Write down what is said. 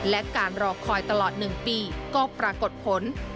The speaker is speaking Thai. และการรอคอยตลอด๑ปีก็ปรากฏผล